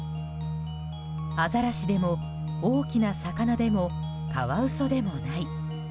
アザラシでも大きな魚でもカワウソでもない。